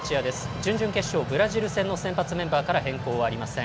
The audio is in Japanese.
準々決勝、ブラジル戦の先発メンバーから変更はありません。